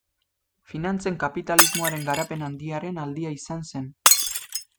Finantzen kapitalismoaren garapen handiaren aldia izan zen.